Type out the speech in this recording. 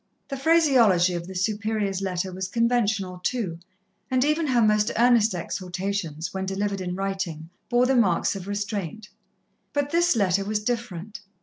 The phraseology of the Superior's letter was conventional, too, and even her most earnest exhortations, when delivered in writing, bore the marks of restraint. But this letter was different.